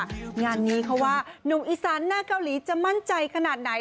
งานนี้เขาว่าหนุ่มอีสานหน้าเกาหลีจะมั่นใจขนาดไหน